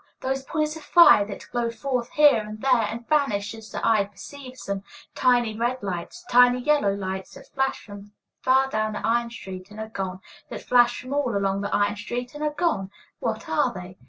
Those points of fire that glow forth here and there and vanish as the eye perceives them, tiny red lights, tiny yellow lights, that flash from far down the iron street and are gone, that flash from all along the iron street and are gone! What are they?